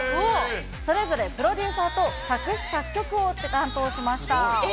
それぞれプロデューサーと作詞作曲を担当しました。